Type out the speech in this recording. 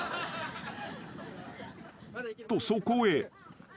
［とそこへ］